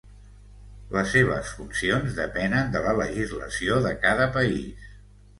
Les seves funcions depenen de la legislació de cada país.